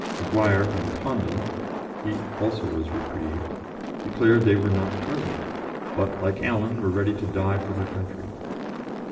Maguire and Condon (he also was reprieved) declared they were not present, but, like Allen, were ready to die for their country.